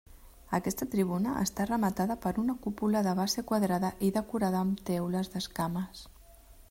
Aquesta tribuna està rematada per una cúpula de base quadrada i decorada amb teules d'escames.